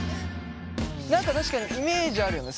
何か確かにイメージあるよね。